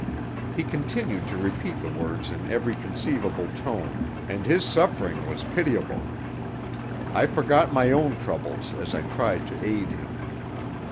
He continued to repeat the words in every conceivable tone, and his suffering was pitiable. I forgot my own troubles as I tried to aid him.